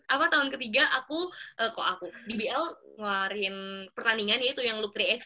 apa tahun ketiga aku kok aku dbl ngeluarin pertandingan ya itu yang loop tiga x tiga